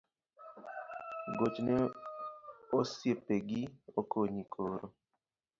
Gochne osipe gi okonyi koro